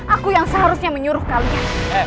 aku yang seharusnya menyuruh kalian